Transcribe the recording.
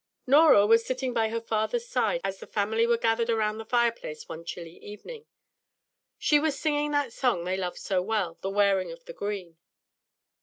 NORAH was sitting by her father's side as the family were gathered around the fireplace one chilly evening. She was singing that song they loved so well, "The Wearing of the Green."